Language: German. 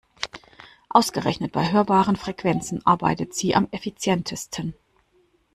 Ausgerechnet bei hörbaren Frequenzen arbeitet sie am effizientesten.